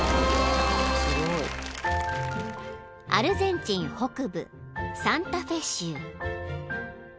［アルゼンチン北部サンタフェ州］